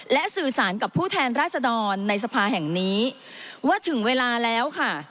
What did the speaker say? และสื่อสารกับผู้แทนราษดรในสภาแห่งนี้ว่าถึงเวลาแล้วค่ะ